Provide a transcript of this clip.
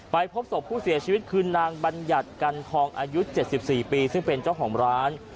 พบศพผู้เสียชีวิตคือนางบัญญัติกันทองอายุ๗๔ปีซึ่งเป็นเจ้าของร้าน